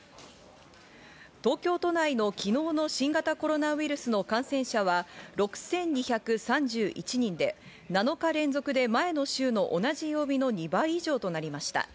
東京都内の昨日の新型コロナウイルスの感染者は６２３１人で、７日連続で前の週の同じ曜日の２倍以上となりました。